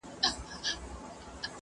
هیوادونه به د بیان ازادي ساتي.